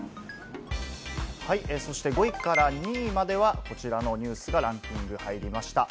そして５位から２位までは、こちらのニュースがランキング入りました。